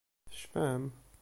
Tecfam?